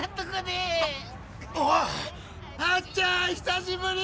ハッちゃん久しぶり！